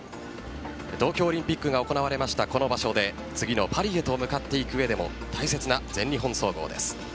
東京オリンピックが行われたこの場所で次のパリへと向かっていく上でも大切な全日本総合です。